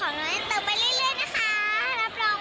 แฟนไทร่าติดตามหน่อยค่ะเผื่อรู้มีละครละคร